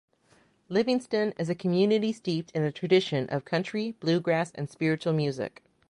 Livingston is a community steeped in a tradition of country, bluegrass and spiritual music.